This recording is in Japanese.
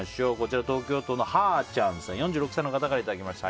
東京都４６歳の方からいただきました。